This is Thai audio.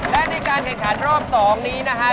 และในการแข่งขันรอบ๒นี้นะฮะ